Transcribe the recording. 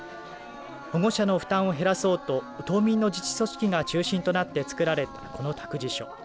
保護者の負担を減らそうと島民の自治組織が中心となって作られたこの託児所。